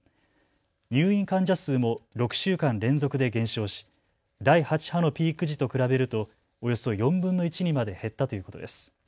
入院患者数も６週間連続で減少し第８波のピーク時と比べるとおよそ４分の１にまで減ったということです。